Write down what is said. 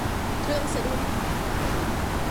เครื่องสะดุ้ง